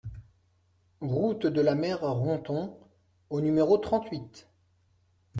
Route de la Mer Ronthon au numéro trente-huit